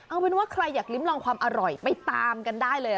เอาเป็นว่าใครอยากลิ้มลองความอร่อยไปตามกันได้เลย